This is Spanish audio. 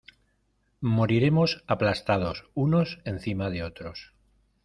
moriremos aplastados unos encima de otros.